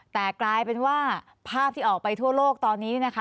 แต่กลายเป็นว่าภาพที่ออกไปทั่วโลกตอนนี้นะคะ